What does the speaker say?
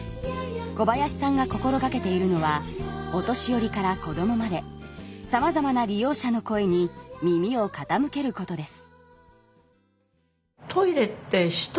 小林さんが心がけているのはお年寄りからこどもまでさまざまな利用者の声に耳をかたむけることです